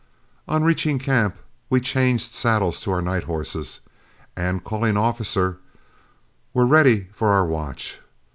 On reaching camp, we changed saddles to our night horses, and, calling Officer, were ready for our watch.